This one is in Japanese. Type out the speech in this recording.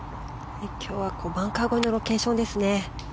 今日はバンカー越えのロケーションですね。